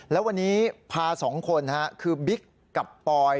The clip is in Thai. แล้ววันนี้พา๒คนคือบิ๊กกับปอย